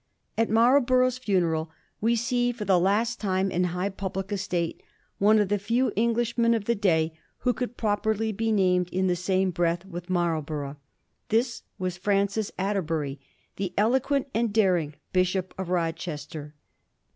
At Marlborough's ftmeral we see for the last time in high public estate one of the few Englishmen of the day who could properly be named in the same breath with Marlborough. This was Francis Atter bury, the eloquent and daring Bishop of Rochester.